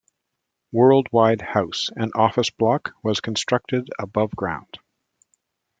World-Wide House, an office block, was constructed above ground.